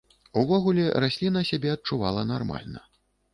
Увогуле, расліна сябе адчувала нармальна.